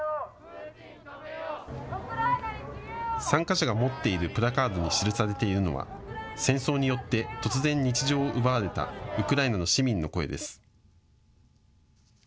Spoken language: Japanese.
参加者が持っているプラカードに記されているのは戦争によって突然、日常を奪われたウクライナの市民の声です。